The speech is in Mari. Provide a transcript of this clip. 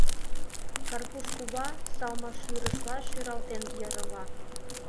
Карпуш кува салмашӱрышла шӱралтен йырымла.